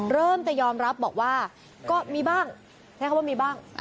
เริ่มจะยอมรับบอกว่าก็มีบ้างใช้คำว่ามีบ้าง